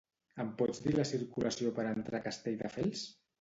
Em pots dir la circulació per entrar a Castelldefels?